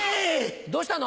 どうしたの？